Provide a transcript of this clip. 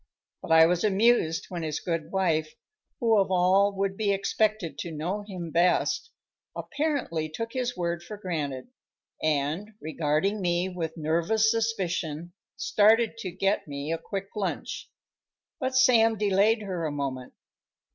But I was amused when his good wife, who of all would be expected to know him best, apparently took his word for granted, and, regarding me with nervous suspicion, started to get me a quick lunch. But Sam delayed her a moment.